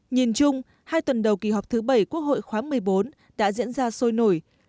nhìn chung hai tuần đầu kỳ họp thứ bảy quốc hội khóa một mươi bốn đã diễn ra sôi nổi